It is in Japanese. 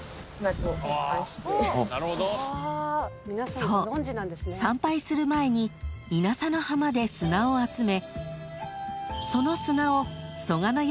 ［そう参拝する前に稲佐の浜で砂を集め］